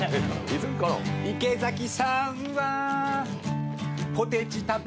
「池さんはポテチ食べると」